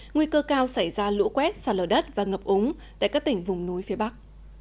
nguy cơ cao xảy ra lũ quét sạt lở đất và ngập úng tại các tỉnh vùng núi phía bắc